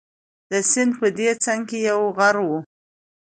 د سیند په دې څنګ کې یو غر وو.